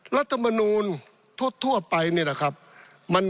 รัฐมนทั่วไปนี่แหละครับมันมามาตั้งแต่